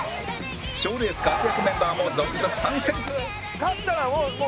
賞レース活躍メンバーも続々参戦！